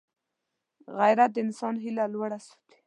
غیرت د انسان هیله لوړه ساتي